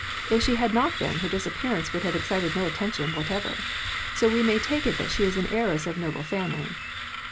If she had not been, her disappearance would have excited no attention whatever. So we may take it that she is an heiress of noble family.